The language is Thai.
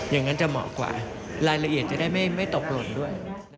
อย่างนั้นจะเหมาะกว่ารายละเอียดจะได้ไม่ตกหล่นด้วย